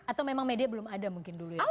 atau memang media belum ada mungkin dulu ya